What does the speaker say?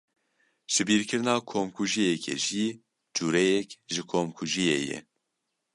Jibîrkirina komkûjiyekê jî cureyek ji komkûjiyê ye.